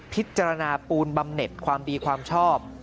พิจารณาปูนบำเน็ตความดีความชอบ